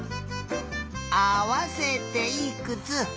あわせていくつ？